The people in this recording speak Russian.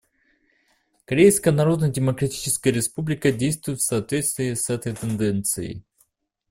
Корейская Народно-Демократическая Республика действует в соответствии с этой тенденцией.